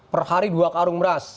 perhari dua karung beras